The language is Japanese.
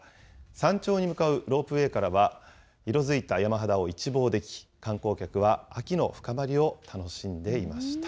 山頂に向かうロープウエーからは、色づいた山肌を一望でき、観光客は秋の深まりを楽しんでいました。